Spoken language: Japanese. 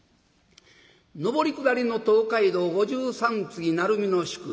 上り下りの東海道五十三次鳴海の宿。